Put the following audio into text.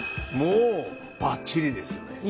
もうバッチリですよね。